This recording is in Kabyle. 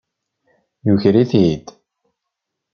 Yuker-it-id.